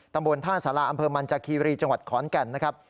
ตำบลท่าสาราอำเภอมันจากคีรีจังหวัดขอนแก่นนะครับ